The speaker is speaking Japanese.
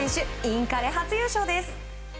インカレ初優勝です。